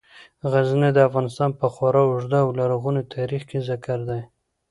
غزني د افغانستان په خورا اوږده او لرغوني تاریخ کې ذکر دی.